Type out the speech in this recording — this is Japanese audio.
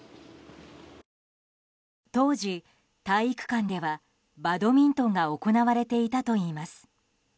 当時、体育館ではバドミントンが行われていたといいます。